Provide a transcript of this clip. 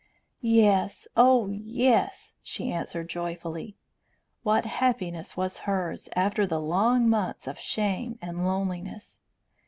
"Yes, oh yes," she answered joyfully. What happiness was hers, after the long months of shame and loneliness!